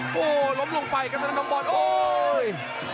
โหล้มลงไปครับสนัดน้องบอลโอ้ย